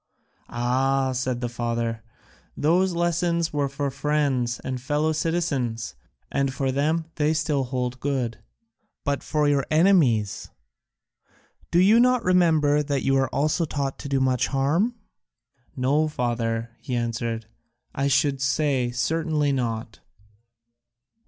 "Ah," said the father, "those lessons were for friends and fellow citizens, and for them they still hold good, but for your enemies do you not remember that you were also taught to do much harm?" "No, father," he answered, "I should say certainly not."